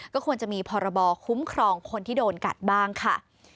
ก็ควรจะมีพรบคุ้มครองคนที่โดนกัดบ้างค่ะ